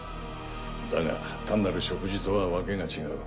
だが単なる植樹とはわけが違う。